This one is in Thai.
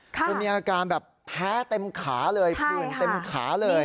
คุณมีอาการแบบแพ้เต็มขาเลยคุณเต็มขาเลย